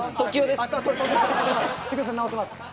時生さん直せます。